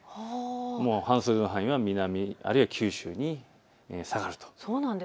もう半袖の範囲は南あるいは九州に下がると。